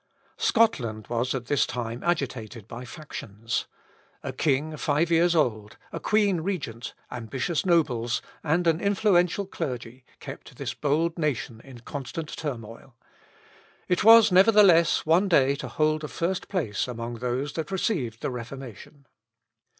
Scotland was at this time agitated by factions. A king five years old, a queen regent, ambitious nobles, and an influential clergy, kept this bold nation in constant turmoil. It was, nevertheless, one day to hold a first place among those that received the Reformation.